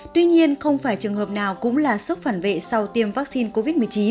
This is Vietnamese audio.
tuy nhiên không phải trường hợp nào cũng là sốc phản vệ sau tiêm vaccine covid một mươi chín